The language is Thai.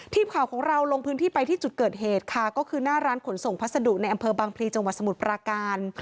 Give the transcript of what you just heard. ทีมข่าวของเราลงพื้นที่ไปที่จุดเกิดเหตุค่ะก็คือหน้าร้านขนส่งพัสดุในอำเภอบางพลีจังหวัดสมุทรปราการ